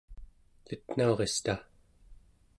elitnaurista